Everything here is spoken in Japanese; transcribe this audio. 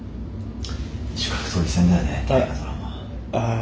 ああ。